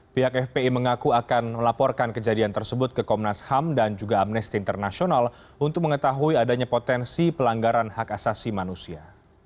pihak fpi mengaku akan melaporkan kejadian tersebut ke komnas ham dan juga amnesty international untuk mengetahui adanya potensi pelanggaran hak asasi manusia